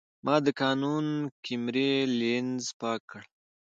ما د کانون کیمرې لینز پاک کړ.